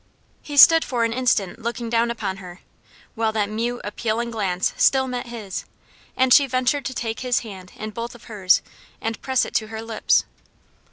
He stood for an instant looking down upon her, while that mute, appealing glance still met his, and she ventured to take his hand in both of hers and press it to her lips.